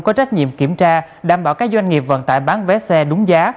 có trách nhiệm kiểm tra đảm bảo các doanh nghiệp vận tải bán vé xe đúng giá